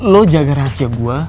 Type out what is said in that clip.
lu jaga rahasia gua